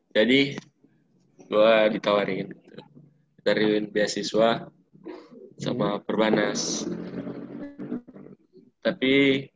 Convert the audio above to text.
jadi gua ditawarin dari biasiswa sama perbanas tapi